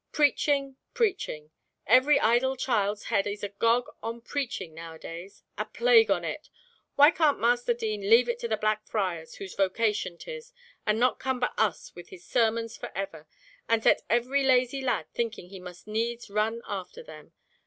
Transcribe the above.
Preaching, preaching! Every idle child's head is agog on preaching nowadays! A plague on it! Why can't Master Dean leave it to the black friars, whose vocation 'tis, and not cumber us with his sermons for ever, and set every lazy lad thinking he must needs run after them?